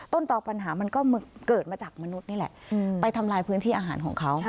ต่อปัญหามันก็เกิดมาจากมนุษย์นี่แหละไปทำลายพื้นที่อาหารของเขา